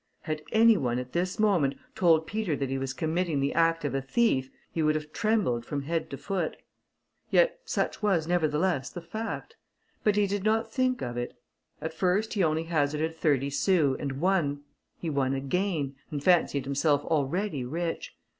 Had any one, at this moment, told Peter that he was committing the act of a thief, he would have trembled from head to foot; yet such was, nevertheless, the fact; but he did not think of it. At first he only hazarded thirty sous, and won: he won again, and fancied himself already rich.